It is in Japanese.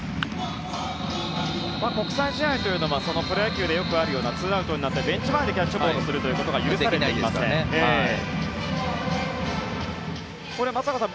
国際試合というのはプロ野球でよくあるようなツーアウトになってベンチ前でキャッチボールすることが許されていません。